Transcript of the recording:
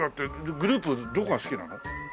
グループどこが好きなの？